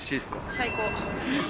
最高！